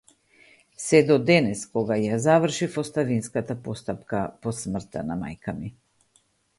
Сѐ до денес, кога ја завршив оставинската постапка по смртта на мајка ми.